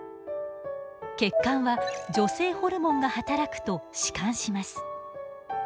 血管は女性ホルモンが働くと弛緩します。